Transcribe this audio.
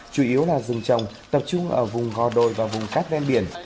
chủ yếu là rừng trồng tập trung ở vùng gò đồi và vùng cát ven biển